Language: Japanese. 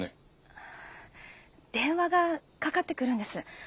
電話がかかってくるんです。